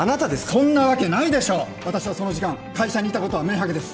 そんなわけない私はその時間会社にいたことは明白です